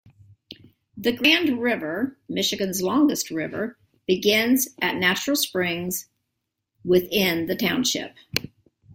The Grand River, Michigan's longest river, begins at natural springs within the township.